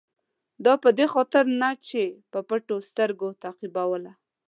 دا په دې خاطر نه چې په پټو سترګو تعقیبوله.